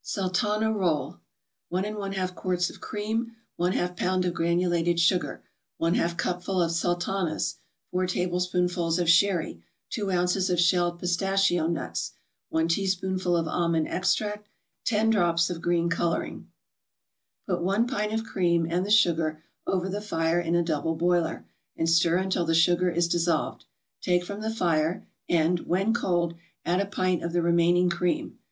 SULTANA ROLL 1 1/2 quarts of cream 1/2 pound of granulated sugar 1/2 cupful of Sultanas 4 tablespoonfuls of sherry 2 ounces of shelled pistachio nuts 1 teaspoonful of almond extract 10 drops of green coloring Put one pint of cream and the sugar over the fire in a double boiler, and stir until the sugar is dissolved; take from the fire, and, when cold, add a pint of the remaining cream.